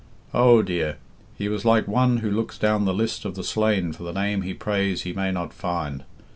Oh dear! he was like one who looks down the list of the slain for the name he prays he may not find.